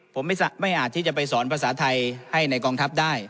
ผมไม่อาจที่จะไปสอนภาษาไทยให้ในกองทัพได้